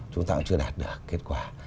chúng ta cũng chưa đạt được kết quả